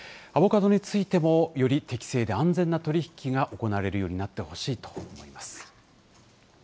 アボカドについても、より適正で安全な取り引きが行われるようになってほしいと思います。